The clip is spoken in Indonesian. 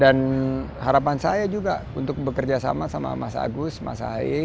dan harapan saya juga untuk bekerja sama sama mas agus mas ahae